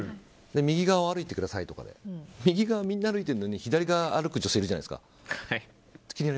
右側を歩いてくださいってみんな右側を歩いてるのに左側を歩く女性いるじゃないですか。